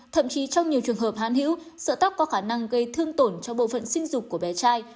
thậm chí trong nhiều trường hợp hán hữu sợ tóc có khả năng gây thương tổn cho bộ phận sinh dục của bé trai